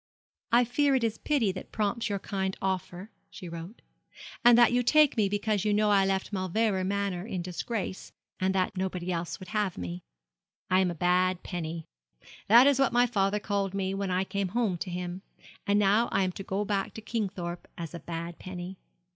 'I fear it is pity that prompts your kind offer,' she wrote, 'and that you take me because you know I left Mauleverer Manor in disgrace, and that nobody else would have me. I am a bad penny. That is what my father called me when I came home to him. And now I am to go back to Kingthorpe as a bad penny.